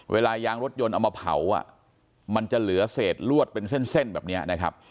เวลายางรถยนต์เอามาเผามันจะเหลือเศษลวดเป็นเส้นแบบนี้นะครับ